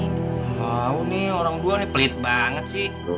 engga umi orang dua nih pelit banget sih